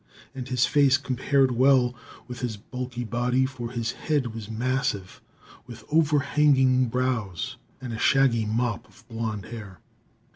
And his face compared well with his bulky body, for his head was massive, with overhanging brows and a shaggy mop of blond hair.